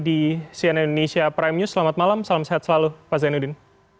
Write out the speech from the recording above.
di cnn indonesia prime news selamat malam salam sehat selalu pak zainuddin